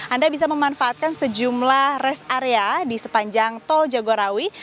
anda bisa memanfaatkan sejumlah rest area di sepanjang tol jagorawi